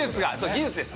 技術です